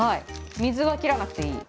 水は切らなくていい？